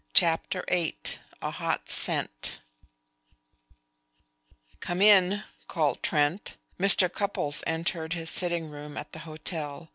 CHAPTER VIII A HOT SCENT "Come in," called Trent. Mr. Cupples entered his sitting room at the hotel.